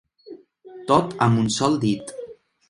Tot amb un sol dit.